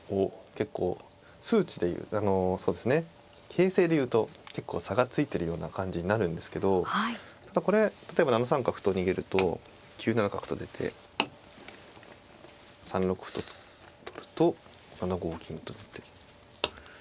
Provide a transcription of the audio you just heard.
形勢で言うと結構差がついてるような感じになるんですけどこれ例えば７三角と逃げると９七角と出て３六歩と取ると７五金と出て。